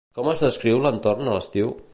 Com es descriu l'entorn a l'estiu?